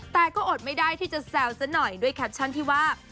แต่ก็อดไม่ได้ที่จะแซวซะหน่อยด้วยแคปชั่นที่ว่า